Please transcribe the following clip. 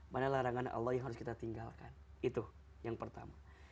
mana larangan allah yang harus kita tinggalkan itu yang pertama